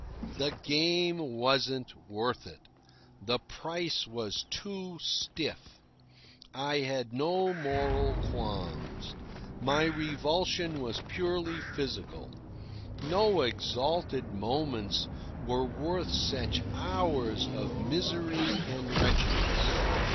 The game wasn't worth it. The price was too stiff. I had no moral qualms. My revulsion was purely physical. No exalted moments were worth such hours of misery and wretchedness.